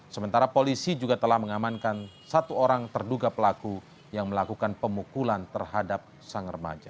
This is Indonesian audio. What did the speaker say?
sementara polisi juga telah mengamankan satu orang terduga pelaku yang melakukan pemukulan terhadap sang remaja